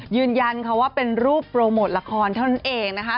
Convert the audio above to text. ยืนยันค่ะว่าเป็นรูปโปรโมทละครเท่านั้นเองนะคะ